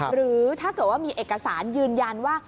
หรือถ้าเกิดว่ามีเอกสารยืนยันว่า